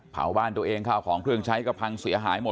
เผาบ้านตัวเองข้าวของเครื่องใช้ก็พังเสียหายหมด